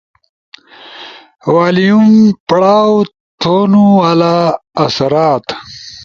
والئیم، پڑھاؤ تھونُو والا آثرات